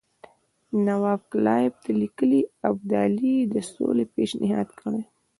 نواب کلایف ته لیکلي ابدالي د سولې پېشنهاد کړی.